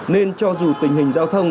nên cho dù tình hình giao thông